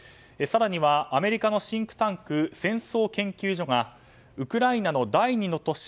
更には、アメリカのシンクタンク戦争研究所がウクライナの第２の都市